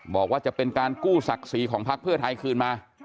บอกว่าจะเป็นการกู้ศักดิ์ศรีของพักเพื่อไทยคืนมา